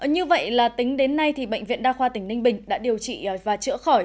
như vậy là tính đến nay bệnh viện đa khoa tỉnh ninh bình đã điều trị và chữa khỏi